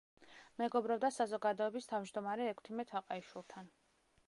მეგობრობდა საზოგადოების თავმჯდომარე ექვთიმე თაყაიშვილთან.